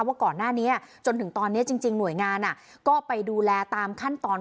ว่าก่อนหน้านี้จนถึงตอนนี้จริงหน่วยงานก็ไปดูแลตามขั้นตอน